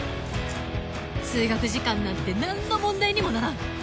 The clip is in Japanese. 通学時間なんて何の問題にもならん！